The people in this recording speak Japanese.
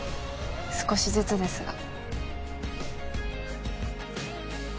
少しずつですが。